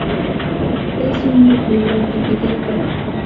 En una fibra típica la propagación de la luz en el revestimiento se elimina.